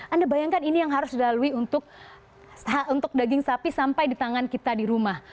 anda bayangkan ini yang harus dilalui untuk daging sapi sampai di tangan kita di rumah